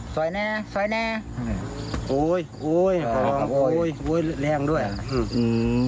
ซอยแน่สอยแน่โอ้ยโอ้ยโอ้ยโอ้ยแรงด้วยอืม